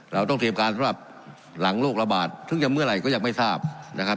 เราต้องเตรียมการสำหรับหลังโรคระบาดเพิ่งจะเมื่อไหร่ก็ยังไม่ทราบนะครับ